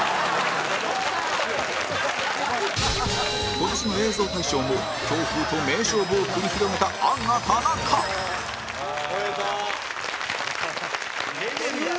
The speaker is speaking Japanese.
今年の映像大賞も強風と名勝負を繰り広げたアンガ田中有吉：おめでとう！